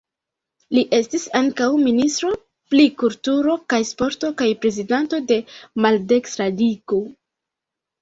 Li estis ankaŭ ministro pri kulturo kaj sporto kaj prezidanto de Maldekstra Ligo.